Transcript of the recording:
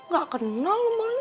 gak kenal nomornya